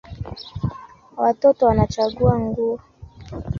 Watoto wanachagua nguo